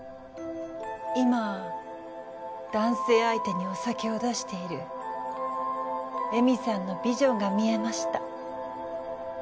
今男性相手にお酒を出している江美さんのビジョンが視えました。